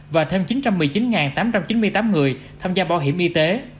và thêm chín trăm một mươi chín tám trăm chín mươi tám người tham gia bảo hiểm y tế